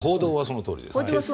報道はそのとおりです。